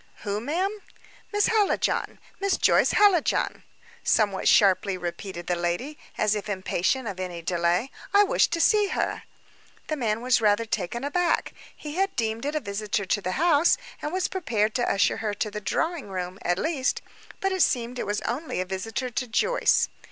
"Who, ma'am?" "Miss Hallijohn; Miss Joyce Hallijohn," somewhat sharply repeated the lady, as if impatient of any delay. "I wish to see her." The man was rather taken aback. He had deemed it a visitor to the house, and was prepared to usher her to the drawing room, at least; but it seemed it was only a visitor to Joyce.